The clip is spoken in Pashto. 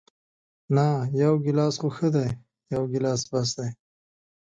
نه، یو ګیلاس خو ښه دی، یو ګیلاس بس دی.